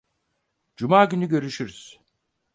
Cuma günü görüşürüz.